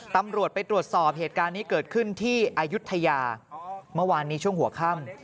ตำรวจไปตรวจสอบเหตุการณ์นี้เกิดขึ้นที่อายุทยาเมื่อวานนี้ช่วงหัวค่ำ